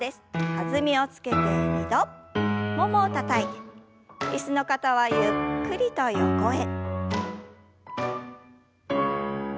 弾みをつけて２度ももをたたいて椅子の方はゆっくりと横へ。